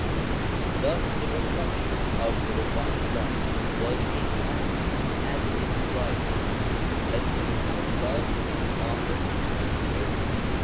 Thus the reflection of the Divine Light was in man, as in Christ, and see how loved and honoured he is